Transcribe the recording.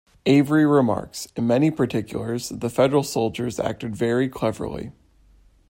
Avery remarks: In many particulars the Federal soldiers acted very cleverly.